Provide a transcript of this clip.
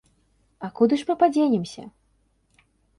А куды ж мы падзенемся?